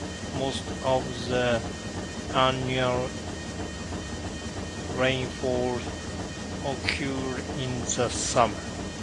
Most of the annual rainfall occurs in the summer.